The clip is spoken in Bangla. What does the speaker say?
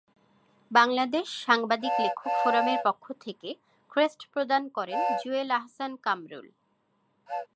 বাংলাদেশ সাংবাদিক লেখক ফোরামের পক্ষ থেকে ক্রেস্ট প্রদান করেন জুয়েল আহসান কামরুল।